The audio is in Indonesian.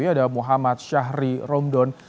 ada muhammad syahri romdon